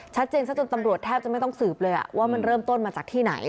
ซะจนตำรวจแทบจะไม่ต้องสืบเลยว่ามันเริ่มต้นมาจากที่ไหน